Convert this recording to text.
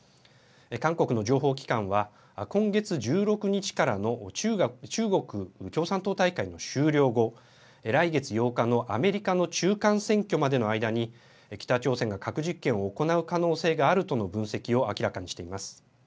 韓国の情報機関は今月１６日からの中国共産党大会の終了後来月８日のアメリカの中間選挙までの間に北朝鮮が核実験を行う可能性があるとの分析を明らかにしています。